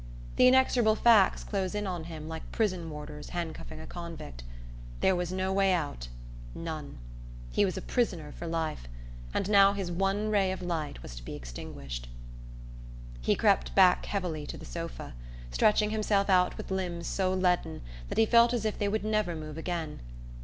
The inexorable facts closed in on him like prison warders handcuffing a convict. There was no way out none. He was a prisoner for life, and now his one ray of light was to be extinguished. He crept back heavily to the sofa, stretching himself out with limbs so leaden that he felt as if they would never move again.